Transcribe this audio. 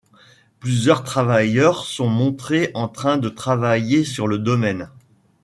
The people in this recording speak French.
Plusieurs travailleurs sont montrés en train de travailler sur le domaine.